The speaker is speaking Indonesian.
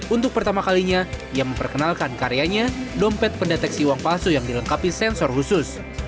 untuk pertama kalinya ia memperkenalkan karyanya dompet pendeteksi uang palsu yang dilengkapi sensor khusus